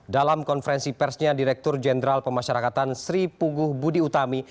dalam konferensi persnya direktur jenderal pemasyarakatan sri puguh budi utami